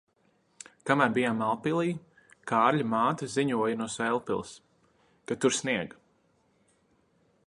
Kamēr bijām Mālpilī, Kārļa māte ziņoja no Sēlpils, ka tur snieg.